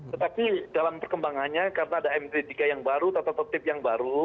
tetapi dalam perkembangannya karena ada mp tiga yang baru tata tata tip yang baru